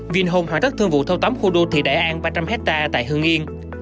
vinhome hoàn tất thương vụ thâu tóng khu đô thị đại an ba trăm linh hectare tại hương yên